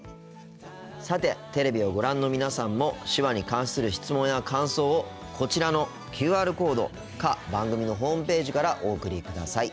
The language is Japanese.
さてテレビをご覧の皆さんも手話に関する質問や感想をこちらのＱＲコードか番組のホームページからお送りください。